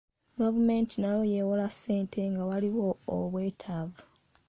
Gavumenti nayo yeewola ssente nga waliwo obwetaavu.